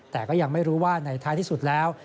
แต่ก็ยังไม่รู้ว่าในท้ายที่สุดแล้ว